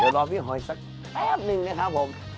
เดี๋ยวรอพี่หอยสักแป๊บหนึ่งนะครับผม